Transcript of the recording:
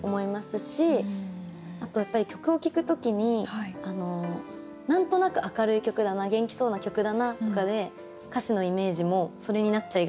あとやっぱり曲を聴く時に何となく明るい曲だな元気そうな曲だなとかで歌詞のイメージもそれになっちゃいがちじゃないですか。